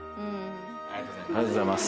ありがとうございます。